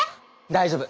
大丈夫！